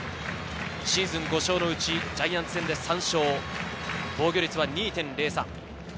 シーズン５勝のうちジャイアンツ戦で３勝、防御率２．０３。